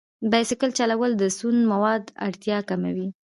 بایسکل چلول د سون موادو اړتیا کموي.